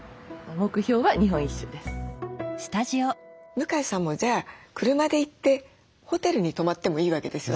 向江さんもじゃあ車で行ってホテルに泊まってもいいわけですよね。